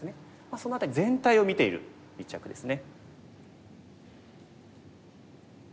その辺り全体を見ている一着ですね。